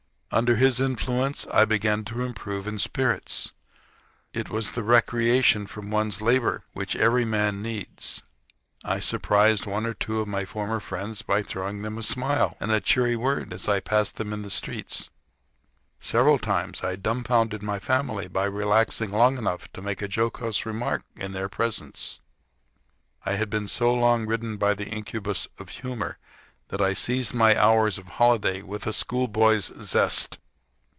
Under this influence I began to improve in spirits. It was the recreation from one's labor which every man needs. I surprised one or two of my former friends by throwing them a smile and a cheery word as I passed them on the streets. Several times I dumfounded my family by relaxing long enough to make a jocose remark in their presence. I had so long been ridden by the incubus of humor that I seized my hours of holiday with a schoolboy's zest.